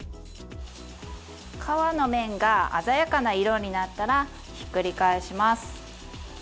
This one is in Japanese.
皮の面が鮮やかな色になったらひっくり返します。